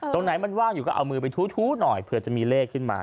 ตรงไหนมันว่างอยู่ก็เอามือไปทู้หน่อยเผื่อจะมีเลขขึ้นมา